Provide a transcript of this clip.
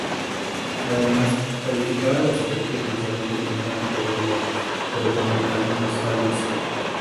Además, calificaba los efectos visuales de primera categoría, pero con algunos fallos.